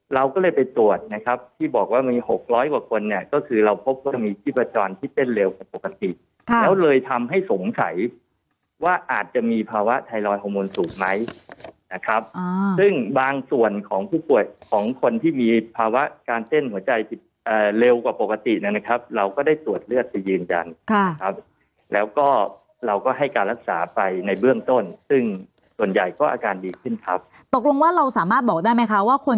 เราก็เลยไปตรวจนะครับที่บอกว่ามี๖๐๐กว่าคนเนี่ยก็คือเราพบว่ามีชีพจรที่เต้นเร็วกว่าปกติแล้วเลยทำให้สงสัยว่าอาจจะมีภาวะไทรลอยฮอร์โมนสูงไหมนะครับซึ่งบางส่วนของผู้ป่วยของคนที่มีภาวะการเต้นหัวใจเร็วกว่าปกตินะครับเราก็ได้ตรวจเลือดที่ยืนจันทร์ครับแล้วก็เราก็ให้การรักษาไปในเบื้องต้น